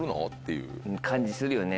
うん感じするよね。